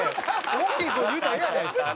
大きい声で言うたらええやないですか。